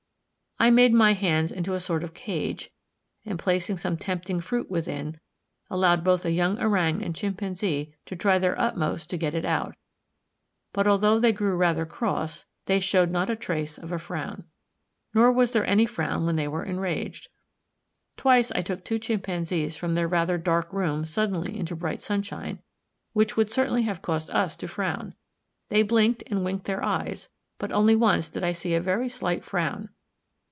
I made my hands into a sort of cage, and placing some tempting fruit within, allowed both a young orang and chimpanzee to try their utmost to get it out; but although they grew rather cross, they showed not a trace of a frown. Nor was there any frown when they were enraged. Twice I took two chimpanzees from their rather dark room suddenly into bright sunshine, which would certainly have caused us to frown; they blinked and winked their eyes, but only once did I see a very slight frown.